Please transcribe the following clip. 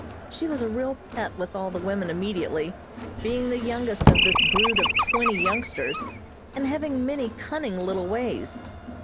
She was a real pet with all the women immediately, being the youngest of this brood of twenty youngsters and having many cunning little ways.